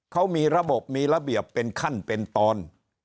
เขามีระบบมีระเบียบเป็นขั้นเป็นตอน